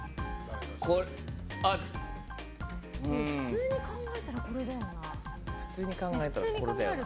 普通に考えたらこれだよな。